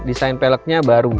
desain peleknya baru